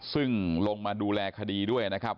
ซึ่งลงมาดูแลคดีด้วยนะครับ